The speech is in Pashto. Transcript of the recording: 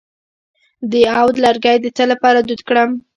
د عود لرګی د څه لپاره دود کړم؟